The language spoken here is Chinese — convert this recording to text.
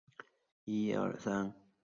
南齐永明五年。